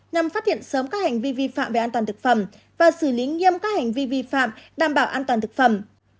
nhằm phát hiện sớm các hành vi vi phạm về an toàn thực phẩm và xử lý nghiêm các hành vi vi phạm đảm bảo an toàn thực phẩm